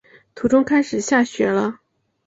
途中开始下雪了